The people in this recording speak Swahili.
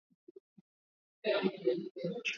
watu waliyobaki kwenye titanic walikimbilia huko